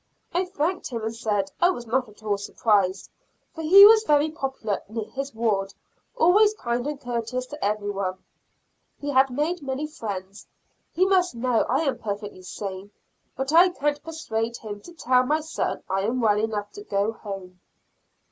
I thanked him and said I was not at all surprised, for he was very popular in his ward; always kind and courteous to every one, he had made many friends. He must know I am perfectly sane, but I can't persuade him to tell my son I am well enough to go home.